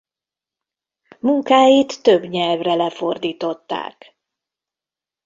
Munkáit több nyelvre lefordították.